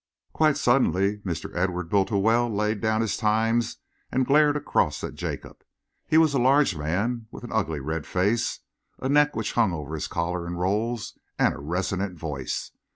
Quite suddenly Mr. Edward Bultiwell laid down his Times and glared across at Jacob. He was a large man, with an ugly red face, a neck which hung over his collar in rolls, and a resonant voice.